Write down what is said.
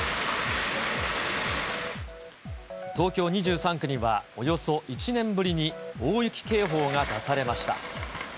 東京２３区には、およそ１年ぶりに大雪警報が出されました。